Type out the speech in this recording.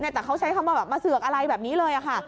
แต่เขาใช้คำว่ามาเสือกอะไรแบบนี้เลยค่ะ